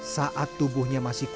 biar gue pergi sekarang